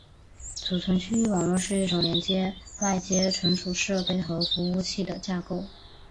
储存区域网络是一种连接外接存储设备和服务器的架构。